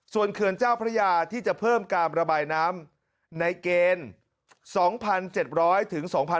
ส่วนเขื่อนเจ้าพระยาที่จะเพิ่มการระบายน้ำในเกณฑ์